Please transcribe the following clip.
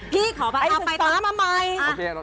พี่ขอมาเอาไปตามมาใหม่